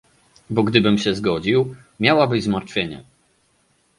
"Bo gdybym się zgodził, miałabyś zmartwienie."